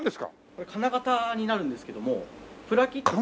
これ金型になるんですけどもプラキットという。